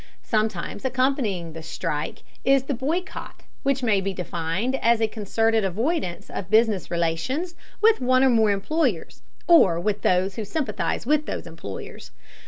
Sometimes accompanying the strike is the boycott, which may be defined as a concerted avoidance of business relations with one or more employers, or with those who sympathize with those employers.